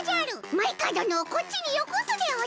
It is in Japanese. マイカどのをこっちによこすでおじゃる！